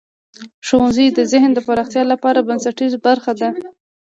ښوونځی د ذهن د پراختیا لپاره بنسټیزه برخه ده.